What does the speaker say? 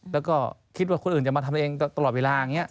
แล้วก็คิดว่าคนอื่นจะมาทำอะไรเองตลอดเวลา